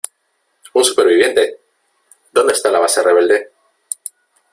¡ Un superviviente !¿ dónde está la base rebelde ?